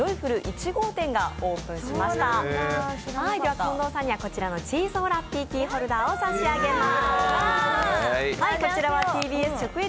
近藤さんにはこちらのチーソーラッピーキーホルダーを差し上げます。